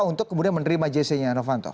untuk kemudian menerima jc nya novanto